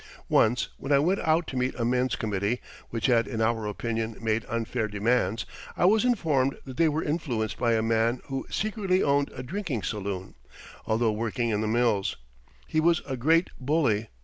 Once when I went out to meet a men's committee, which had in our opinion made unfair demands, I was informed that they were influenced by a man who secretly owned a drinking saloon, although working in the mills. He was a great bully.